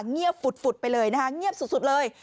เงียบฝุดไปเลยนะคะเงียบสุดเลย